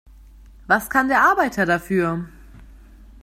Was kann der Arbeiter dafür?